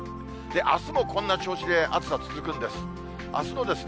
あすもこんな調子で暑さ続くんです。